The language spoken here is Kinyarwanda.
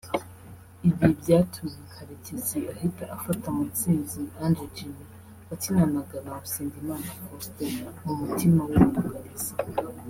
Ibi byatumye Karekezi ahita afata Mutsinzi Ange Jimmy wakinanaga na Usengimana Faustin mu mutima w'ubwugarizi